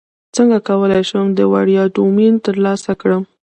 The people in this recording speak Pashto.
څنګه کولی شم د وړیا ډومین ترلاسه کړم